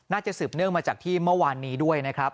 สืบเนื่องมาจากที่เมื่อวานนี้ด้วยนะครับ